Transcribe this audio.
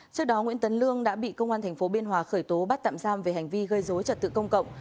trước đó nguyễn tấn lương đã bị công an tp biên hòa khởi tố bắt tạm giam về hành vi gây dối trật tự công cộng